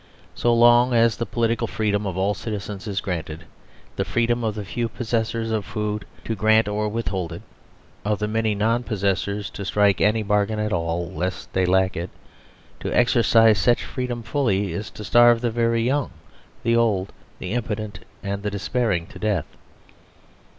So long as the political free dom of all citizens is granted [the freedom of the few possessors of food to grant or withhold it, of the many non possessors to strike any bargain at all, lest they lack it]: to exercise such freedom fully is to starve the very young, the old, the impotent, and the despair ing to death.